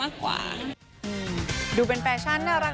พี่การมิ้นท์มีส่วนช่วยเอง